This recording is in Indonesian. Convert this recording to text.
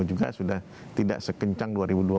juga sudah tidak sekencang